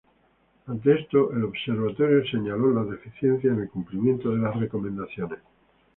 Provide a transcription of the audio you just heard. Ante esto, el Observatorio señalo las deficiencias en el cumplimiento de las recomendaciones.